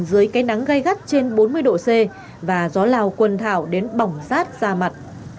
dưới cái nắng gai gắt trên bốn mươi độ c và gió lào quần thảo đến bỏng sát ra mặt